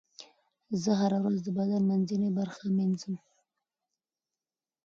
زه هره ورځ د بدن منځنۍ برخه مینځم.